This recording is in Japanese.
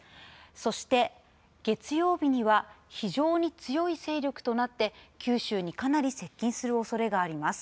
そして、月曜日には非常に強い勢力となって九州にかなり接近するおそれがあります。